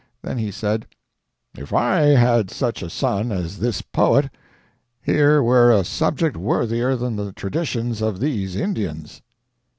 Then he said: "If I had such a son as this poet, here were a subject worthier than the traditions of these Indians."